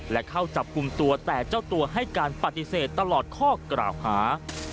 และเข้าจับกลุ่มตัวแต่เจ้าตัวให้การปฏิเสธตลอดข้อกล่าวหา